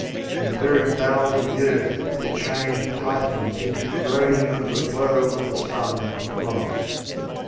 In the very bowels of the earth the chained Titans seemed to be groaning under the blow of the son of Cronos.